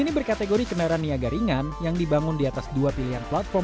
ini berkategori kendaraan niaga ringan yang dibangun di atas dua pilihan platform